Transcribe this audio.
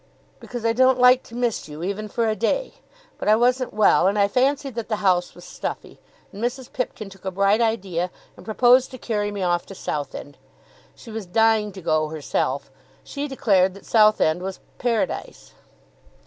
"Because I don't like to miss you, even for a day. But I wasn't well, and I fancied that the house was stuffy, and Mrs. Pipkin took a bright idea and proposed to carry me off to Southend. She was dying to go herself. She declared that Southend was Paradise."